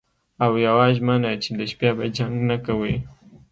او یوه ژمنه چې د شپې به جنګ نه کوئ